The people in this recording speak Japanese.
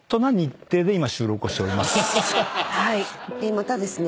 またですね。